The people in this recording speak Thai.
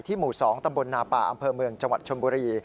หมู่๒ตำบลนาป่าอำเภอเมืองจังหวัดชนบุรี